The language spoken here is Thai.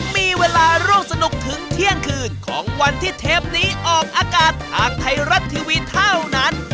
มีเวลาร่วมสนุกถึงเที่ยงคืนของวันที่เทปนี้ออกอากาศทางไทยรัฐทีวีเท่านั้น